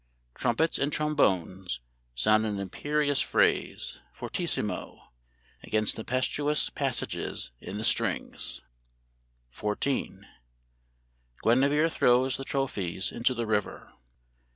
Trumpets and trombones sound an imperious phrase, fortissimo, against tempestuous passages in the strings.] XIV. "GUINEVERE THROWS THE TROPHIES INTO THE RIVER."